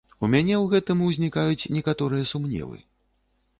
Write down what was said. У мяне у гэтым узнікаюць некаторыя сумневы.